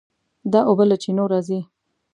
دا اوبه له چینو راځي.